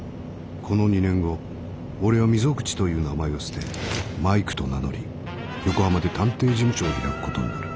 この２年後俺は溝口という名前を捨てマイクと名乗り横浜で探偵事務所を開くことになる。